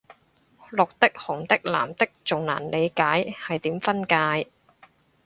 綠的紅的藍的仲難理解係點分界